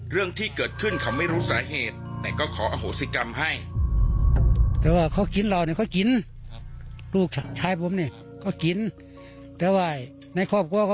เรื่องที่เกิดขึ้นเขาไม่รู้สาเหตุแต่ก็ขออโหสิกรรมให้